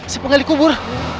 si penggali kubur